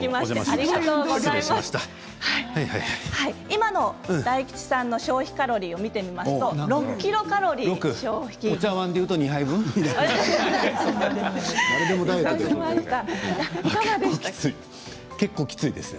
今の大吉さんの消費カロリーを見てみますと６ｋｃａｌです。